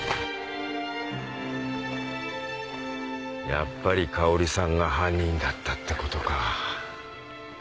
やっぱり香織さんが犯人だったってことか。